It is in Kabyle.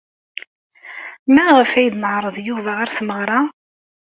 Maɣef ay d-neɛreḍ Yuba ɣer tmeɣra?